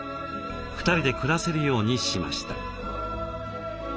２人で暮らせるようにしました。